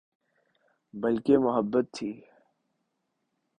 بلکہ محبت تھی